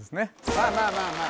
まあまあまあまあ